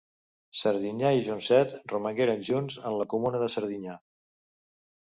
Serdinyà i Joncet romangueren junts en la comuna de Serdinyà.